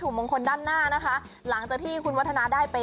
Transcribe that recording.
เรื่องของโชคลาบนะคะ